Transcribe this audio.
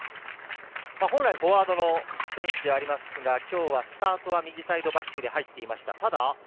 本来フォワードの選手ですが、今日はスタートは右サイドバックに入っていました。